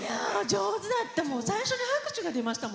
上手だった！